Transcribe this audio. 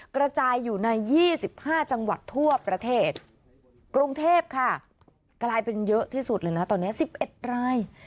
กระจายอยู่ใน๒๕จังหวัดทั่วประเทศกรุงเทพค่ะกลายเป็นเยอะที่สุดเลยนะตอนนี้๑๑ราย